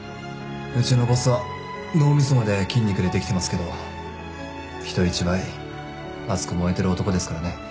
うちのボスは脳みそまで筋肉でできてますけど人一倍熱く燃えてる男ですからね。